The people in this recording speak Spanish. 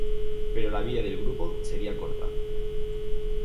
Pero la vida del grupo sería corta.